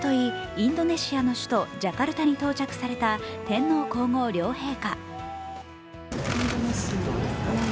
インドネシアの首都ジャカルタに到着された天皇皇后両陛下。